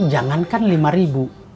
jangankan lima ribu